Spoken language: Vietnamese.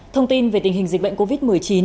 thông tin về tình hình dịch bệnh covid một mươi chín